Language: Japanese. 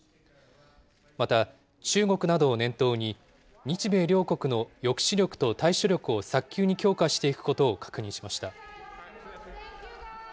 また、中国などを念頭に、日米両国の抑止力と対処力を早急に強化していくことを確認しました。